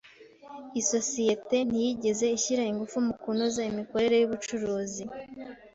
Isosiyete ntiyigeze ishyira ingufu mu kunoza imikorere y’ubucuruzi.